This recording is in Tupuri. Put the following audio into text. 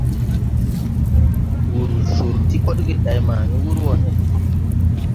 Wur cor ti kodge day ma ni wur wo no.